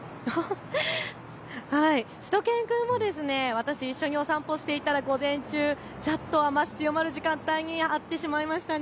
しゅと犬くんも私、一緒にお散歩していたら午前中ざっと雨足、強まる時間帯にあってしまいましたね。